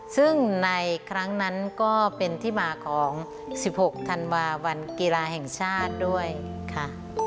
ซึ่งในครั้งนั้นก็เป็นที่มาของ๑๖ธันวาวันกีฬาแห่งชาติด้วยค่ะ